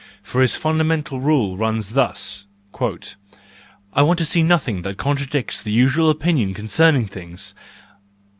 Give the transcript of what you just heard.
For his fundamental rule runs thus: " I want to see nothing that contradicts the usual opinion concerning things